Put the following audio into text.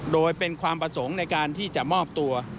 โดยเป็นความประสงค์ในการที่จะมอบตัว